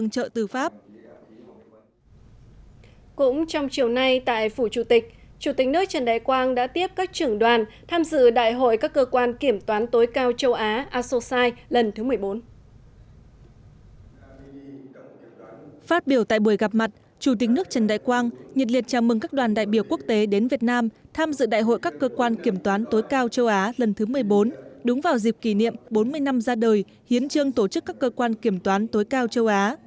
chủ tịch nước trần đại quang nhiệt liệt chào mừng các đoàn đại biểu quốc tế đến việt nam tham dự đại hội các cơ quan kiểm toán tối cao châu á lần thứ một mươi bốn đúng vào dịp kỷ niệm bốn mươi năm ra đời hiến trương tổ chức các cơ quan kiểm toán tối cao châu á